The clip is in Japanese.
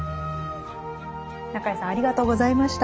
中江さんありがとうございました。